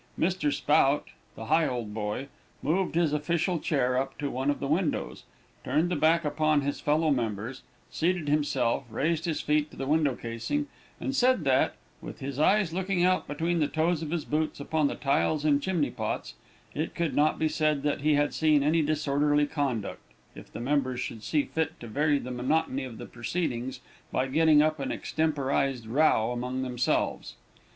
Mr. Spout, the Higholdboy, moved his official chair up to one of the windows, turned the back upon his fellow members, seated himself, raised his feet to the window casing, and said that, with his eyes looking out between the toes of his boots upon the tiles and chimney pots, it could not be said he had seen any disorderly conduct, if the members should see fit to vary the monotony of the proceedings by getting up an extemporized row among themselves.